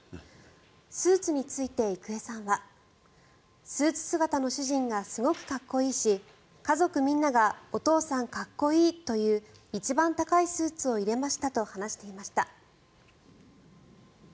スーツについて郁恵さんはスーツ姿の主人がすごくかっこいいし家族みんながお父さんかっこいいという一番高いスーツを入れましたと話していました。